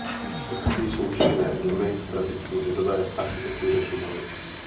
V obci jsou četné domy v tradiční lidové architektuře Šumavy.